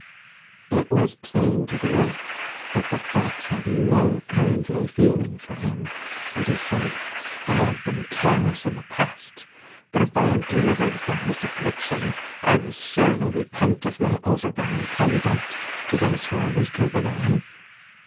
It was plain to the wolf that the fox had no kindly feeling for him, and he said, "T have been careless in the past, but if I am delivered from this aflaiction, I will surely repent of my overbearing conduct to those who are weaker than I."